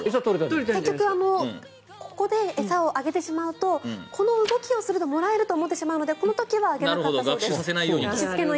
結局ここで餌をあげてしまうとこの動きをするともらえると思ってしまうのでこの時はあげなかったそうです。